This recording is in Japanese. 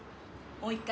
もう一回。